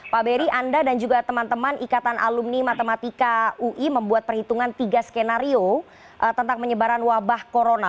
pak beri anda dan juga teman teman ikatan alumni matematika ui membuat perhitungan tiga skenario tentang penyebaran wabah corona